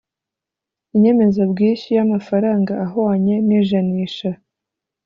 inyemezabwishyu y’amafaranga ahwanye n’ijanisha